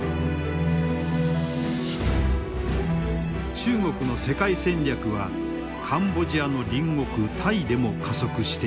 中国の世界戦略はカンボジアの隣国タイでも加速している。